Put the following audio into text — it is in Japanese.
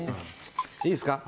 いいすか？